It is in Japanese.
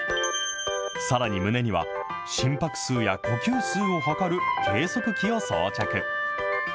さらに胸には、心拍数や呼吸数を測る計測器を装着。